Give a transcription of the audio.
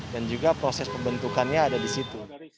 dan juga proses pembentukannya ada di situ